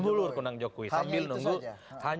hanya itu saja